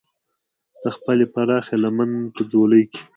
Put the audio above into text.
د خپلې پراخې لمن په ځولۍ کې.